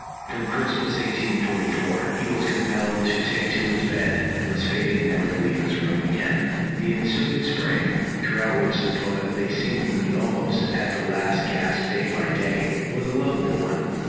From Christmas 1844 he was compelled to take to his bed, and was fated never to leave his room again. The ensuing Spring, throughout which the poet lay seemingly almost at the last gasp day by day, was a lovely one.